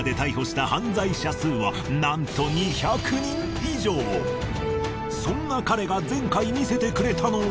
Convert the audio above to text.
これまでそんな彼が前回見せてくれたのは。